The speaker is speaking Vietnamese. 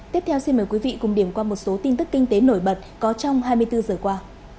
tiếp theo xin mời quý vị cùng điểm qua một số tin tức kinh tế nổi bật có trong hai mươi bốn giờ qua